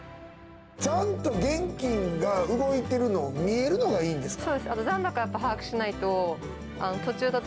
ちゃんと現金が動いているのを見えるのがいいんですか。